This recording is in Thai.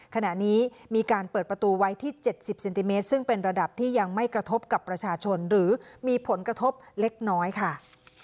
ขณะนี้มีการเปิดประตูไว้ที่๗๐เซนติเมตรซึ่งเป็นระดับที่ยังไม่กระทบกับประชาชนหรือมีผลกระทบเล็กน้อยค่ะ